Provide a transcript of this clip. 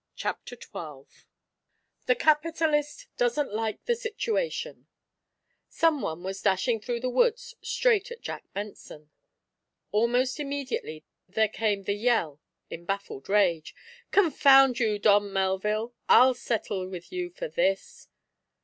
CHAPTER XII THE CAPITALIST DOESN'T LIKE THE SITUATION Someone was dashing through the woods straight at Jack Benson. Almost immediately there came the yell, in baffled rage: "Confound you, Don Melville! I'll settle with you for this!"